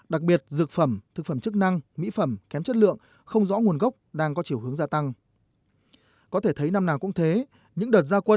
đặc biệt dược phẩm thực phẩm chức năng mỹ phẩm kém chất lượng không rõ nguồn gốc đang có chiều hướng gia tăng